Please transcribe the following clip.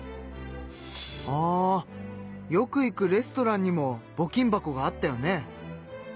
あよく行くレストランにもぼ金箱があったよね？